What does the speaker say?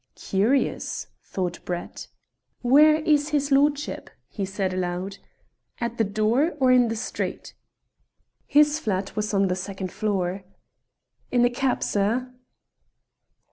"Curious," thought Brett. "Where is his lordship?" he said aloud "at the door, or in the street?" (His flat was on the second floor.) "In a keb, sir."